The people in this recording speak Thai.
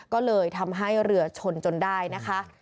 ก็เลยทำให้เรือชนจนได้นะคะ